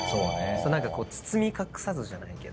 包み隠さずじゃないけど。